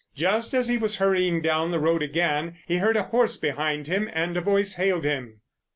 Just as he was hurrying down the road again, he heard a horse behind him, and a voice hailed him.